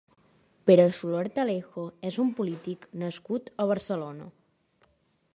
Pere Soler Artalejo és un polític nascut a Barcelona.